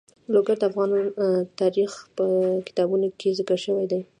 لوگر د افغان تاریخ په کتابونو کې ذکر شوی دي.